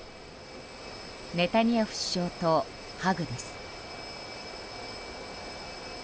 ネタニヤフ首相とハグです。